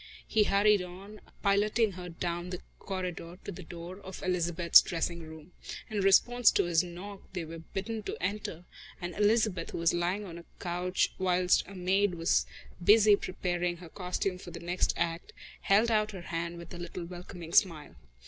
He hurried on, piloting her down the corridor to the door of Elizabeth's dressing room. In response to his knock they were bidden to enter, and Elizabeth, who was lying on a couch whilst a maid was busy preparing her costume for the next act, held out her hand with a little welcoming smile.